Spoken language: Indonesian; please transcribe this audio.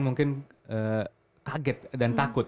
mungkin kaget dan takut